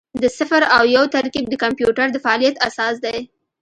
د صفر او یو ترکیب د کمپیوټر د فعالیت اساس دی.